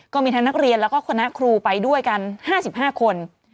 ก็มีทั้งนักเรียนแล้วก็คณะครูไปด้วยกัน๕๕คน